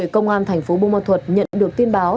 công an thành phố buôn ma thuột nhận được tin báo